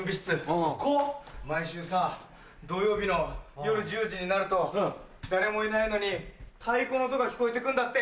毎週さ土曜日の夜１０時になると誰もいないのに太鼓の音が聞こえて来んだって。